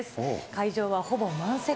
会場はほぼ満席。